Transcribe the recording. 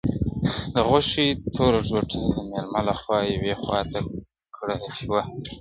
د غوښې توره ټوټه د مېلمه لخوا یوې خواته کړه شوه.